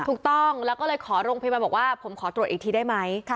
ถูกต้องแล้วก็เลยขอโรงพยาบาลบอกว่าผมขอตรวจอีกทีได้ไหม